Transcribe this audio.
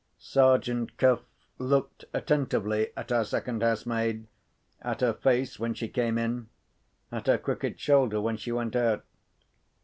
Sergeant Cuff looked attentively at our second housemaid—at her face, when she came in; at her crooked shoulder, when she went out.